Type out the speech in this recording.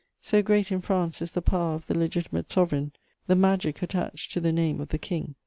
So great in France is the power of the legitimate Sovereign, the magic attached to the name of the King.